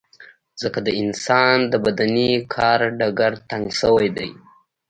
ځکه د انسان د بدني کار ډګر تنګ شوی دی.